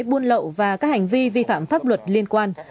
buôn lậu và các hành vi vi phạm pháp luật liên quan